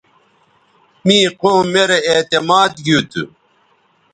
می قوم میرے اعتماد گیوتھو